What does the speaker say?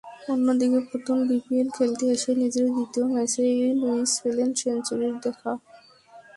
অন্যদিকে প্রথম বিপিএল খেলতে এসে নিজের দ্বিতীয় ম্যাচেই লুইস পেলেন সেঞ্চুরির দেখা।